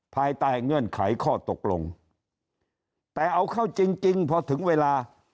ภายใต้เงื่อนไขข้อตกลงแต่เอาเข้าจริงจริงพอถึงเวลา